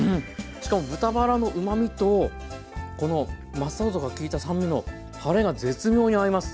しかも豚バラのうまみとこのマスタードが利いた酸味のたれが絶妙に合います。